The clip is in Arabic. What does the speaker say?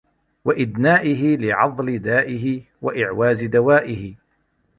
وَإِدْنَائِهِ لِعَضْلِ دَائِهِ ، وَإِعْوَازِ دَوَائِهِ